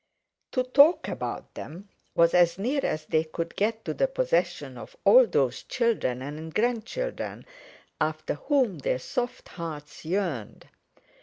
To talk about them was as near as they could get to the possession of all those children and grandchildren, after whom their soft hearts yearned.